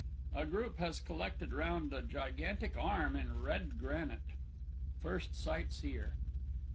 A Group has collected round a Gigantic Arm in red granite. FIRST SIGHTSEER.